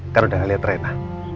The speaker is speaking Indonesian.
kan udah ngeliat rana